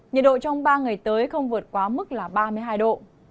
nhiệt độ trong ba ngày tới không vượt quá mức là ba mươi hai độ